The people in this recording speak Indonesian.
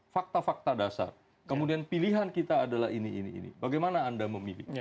fakta fakta dasar kemudian pilihan kita adalah ini ini ini bagaimana anda memilih